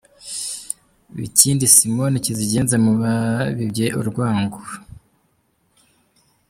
Bikindi Simoni, kizigenza mu babibye urwango.